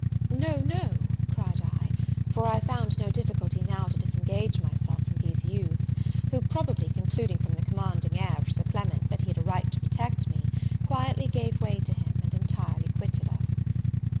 "No, no;" cried I, for I found no difficulty now to disengage myself from these youths, who, probably, concluding from the commanding air of Sir Clement, that he had a right to protect me, quietly gave way to him, and entirely quitted us.